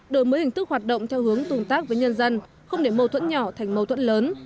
đổi mới hình thức hoạt động theo hướng tùng tác với nhân dân không để mâu thuẫn nhỏ thành mâu thuẫn lớn